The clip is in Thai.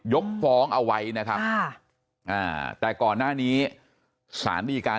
ยกฟ้องเอาไว้นะครับแต่ก่อนหน้านี้สารดีการ